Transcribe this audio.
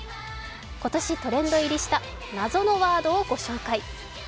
今年トレンド入りした謎のワードをご紹介。